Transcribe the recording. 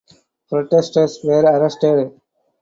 Protesters were arrested.